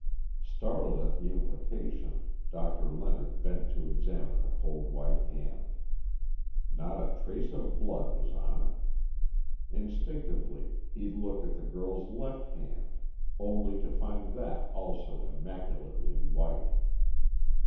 Startled at the implication, Doctor Leonard bent to examine the cold white hand. Not a trace of blood was on it. Instinctively he looked at the girl's left hand, only to find that also immaculately white.